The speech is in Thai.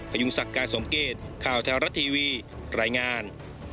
พยุงสักการสมเกตข่าวแท้วรัดทีวีไหล่งาน